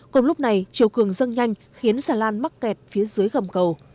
cùng lúc này chiều cường dâng nhanh khiến xà lan mắc kẹt phía dưới gầm cầu